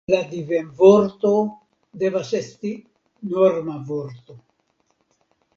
La divenvorto devas esti norma vorto.